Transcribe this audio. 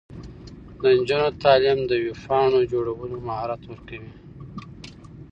د نجونو تعلیم د ویب پاڼو جوړولو مهارت ورکوي.